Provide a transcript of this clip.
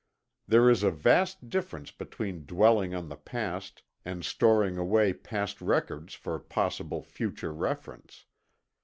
There is a vast difference between dwelling on the past, and storing away past records for possible future reference.